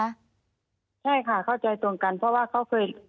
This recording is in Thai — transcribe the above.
ใช่ค่ะเข้าใจตรงกันเพราะว่าเขาเคย